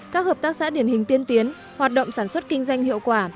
các hợp tác xã điển hình tiên tiến hoạt động sản xuất kinh doanh hiệu quả